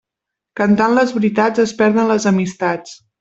Cantant les veritats es perden les amistats.